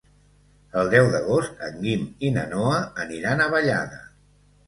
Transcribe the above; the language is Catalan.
El deu d'agost en Guim i na Noa aniran a Vallada.